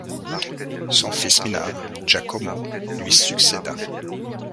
Son fils, mineur, Giacomo lui succéda.